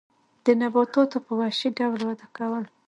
دې نباتاتو په وحشي ډول وده کوله.